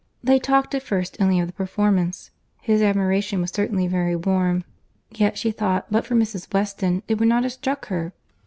They talked at first only of the performance. His admiration was certainly very warm; yet she thought, but for Mrs. Weston, it would not have struck her.